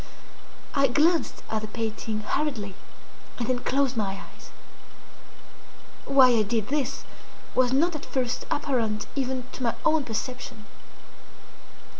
I glanced at the painting hurriedly, and then closed my eyes. Why I did this was not at first apparent even to my own perception.